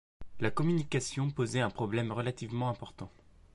La communication posait un problème relativement important.